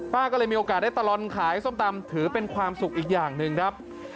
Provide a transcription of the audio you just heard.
ป้าก็เลยมีโอกาสได้ตลอดขายส้มตำถือเป็นความสุขอีกอย่างหนึ่งครับ